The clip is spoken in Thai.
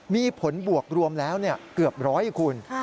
มีผลบวกรวมแล้วเกือบร้อยคุณ